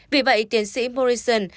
vì vậy tiến sĩ morrison